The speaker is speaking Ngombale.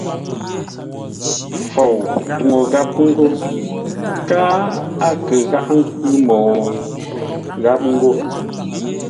Fou túŋu gháp ńgó káa a kə gháʼá ńkwʉ́ mô gháp ghó.